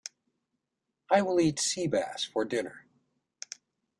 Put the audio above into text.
I will eat sea bass for dinner.